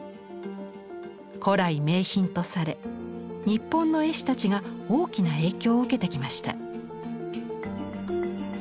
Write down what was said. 古来名品とされ日本の絵師たちが大きな影響を受けてきました。